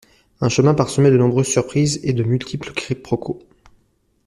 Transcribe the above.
Un chemin parsemé de nombreuses surprises et de multiples quiproquos.